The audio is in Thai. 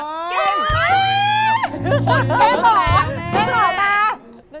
เจ๊เขาห่อ